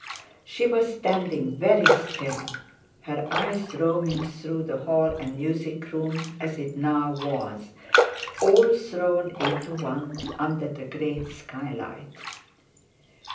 She was standing very still, her eyes roaming through the hall and music room, as it now was—all thrown into one, under the great skylight.